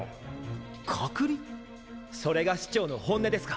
それが市長の本音ですか。